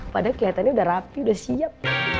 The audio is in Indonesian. padahal kelihatannya udah rapi udah siap